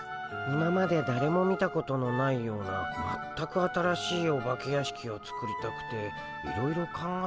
今までだれも見たことのないような全く新しいお化け屋敷を作りたくていろいろ考えているんだけど。